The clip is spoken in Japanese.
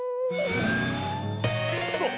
そう。